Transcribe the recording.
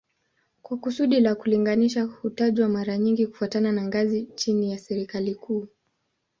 Kwa kusudi la kulinganisha hutajwa mara nyingi kufuatana na ngazi chini ya serikali kuu